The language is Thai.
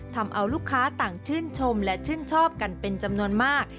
ทำเอาลูกค้าต่างชื่นชมและชื่นชอบกันเป็นจำนวนมาก